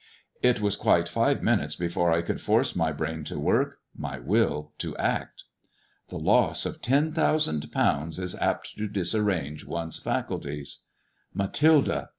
It was quite five minutes before I could force my brain to work, my will to act. The loss of ten thousand pounds is apt to disarrange one's faculties. Mathilde